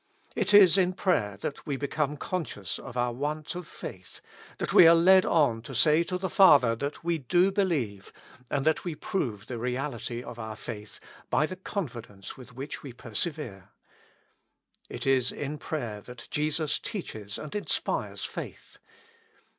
It is in prayer that we become conscious of our want of faith, that we are led on to say to the Father that we do believe, and that we prove the reality of our faith by the confidence with which we persevere. It is in prayer that Jesus teaches and inspires faith.